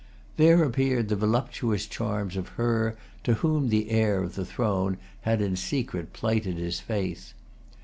There appeared the voluptuous charms of her to whom the heir of the throne had in secret plighted his faith.